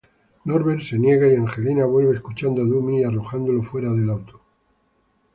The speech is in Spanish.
Norbert se niega y Angelina vuelve escuchando a Dummy y arrojándolo fuera del auto.